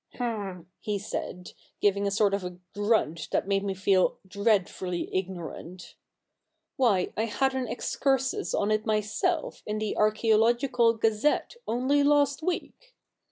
" H'm !" he said, giving a sort of a grunt that made me feel dreadfully ignorant, " why, I had an Excursus on it myself in the ' Archaeological Gazette,' only last week."